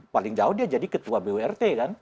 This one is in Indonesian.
paling jauh dia jadi ketua bwrt kan